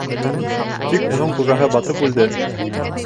Тик уның хужаһы батып үлде.